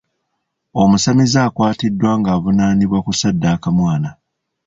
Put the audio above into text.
Omusamize akwatiddwa nga avunaanibwa kusaddaaka mwana.